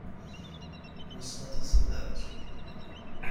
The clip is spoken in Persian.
مثبت سه درجه.